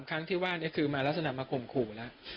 ครั้งที่ว่านี้คือมาลักษณะมาข่มขู่แล้ว